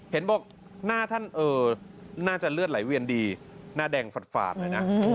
เห็นบอกหน้าท่านน่าจะเลือดไหลเวียนดีหน้าแดงฝาดเลยนะ